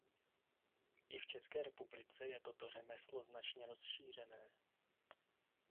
I v České republice je toto řemeslo značně rozšířené.